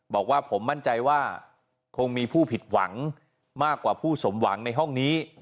บอกว่าผมมั่นใจว่าคงมีผู้ผิดหวังมากกว่าผู้สมหวังในห้องนี้